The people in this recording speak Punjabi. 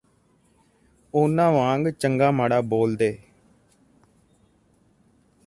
ਉਹਨਾਂ ਵਾਂਗ ਚੰਗਾ ਮਾੜਾ ਬੋਲਦੇ